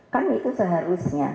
kan itu seharusnya